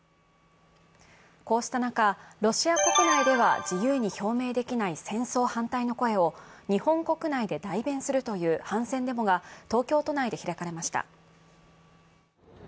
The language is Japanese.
こうした中、ロシア国内では自由に表明できない戦争反対の声を日本国内で代弁するという反戦デモが東京都内で開かれました。